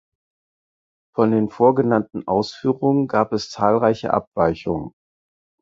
Von den vorgenannten Ausführungen gab es zahlreiche Abweichungen.